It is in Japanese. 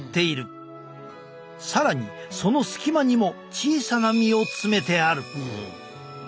更にその隙間にも小さな身を詰めてある。